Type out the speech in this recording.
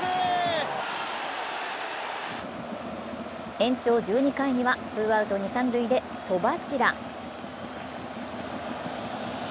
延長１２回にはツーアウト二・三塁で戸柱。